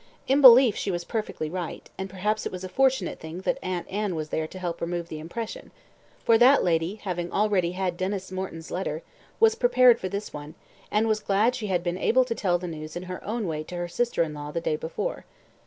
In that belief she was perfectly right, and perhaps it was a fortunate thing that Aunt Anne was there to help to remove the impression; for, that lady having already had Denys Morton's letter, was prepared for this one, and was glad she had been able to tell the news in her own way to her sister in law the day before.